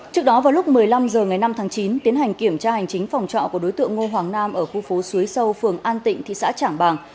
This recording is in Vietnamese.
trước đó vào lúc một mươi năm h ngày năm tháng chín tiến hành kiểm tra hành chính phòng trọ của đối tượng ngô hoàng nam ở khu phố suối sâu phường an tịnh thị xã trảng bàng